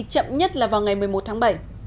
chậm nhất là vào ngày một mươi một tháng bảy